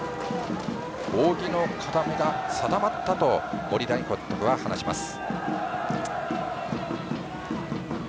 扇の形が定まったと森大監督は話します。